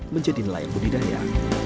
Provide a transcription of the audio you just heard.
menjadi nelayan budidaya